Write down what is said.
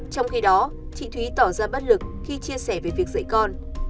trong khi đó chị thúy tỏ ra bất lực khi chia sẻ về việc dạy con